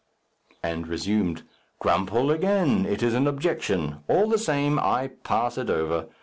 And resumed, "Grumphll again! it is an objection. All the same, I pass it over.